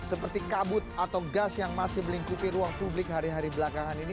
seperti kabut atau gas yang masih melingkupi ruang publik hari hari belakangan ini